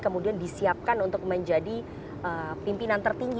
kemudian disiapkan untuk menjadi pimpinan tertinggi